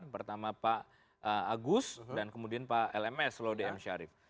pertama pak agus dan kemudian pak lms lodiem syarif